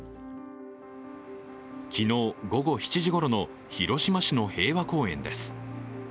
昨日午後７時ごろの広島市の平和公園です。